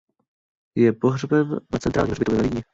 Je pohřben na Centrálním hřbitově ve Vídni.